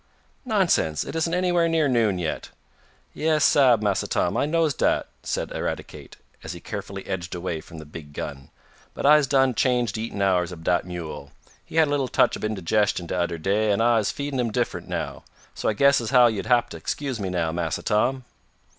"Nonsense! It isn't anywhere near noon yet." "Yais, sab, Massa Tom, I knows dat," said Eradicate, as he carefully edged away from the big gun, "but I'se done changed de eatin' hours ob dat mule. He had a little touch ob indigestion de udder day, an' I'se feedin' him diff'rent now. So I guess as how yo'll hab t' 'scuse me now, Massa Tom."